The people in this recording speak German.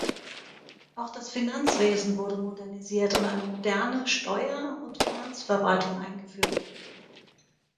Auch das Finanzwesen wurde modernisiert und eine moderne Steuer- und Finanzverwaltung eingeführt.